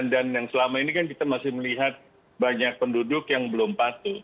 dan yang selama ini kan kita masih melihat banyak penduduk yang belum patuh